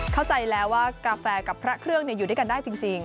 เข้าใจแล้วว่ากาแฟกับพระเครื่องอยู่ด้วยกันได้จริง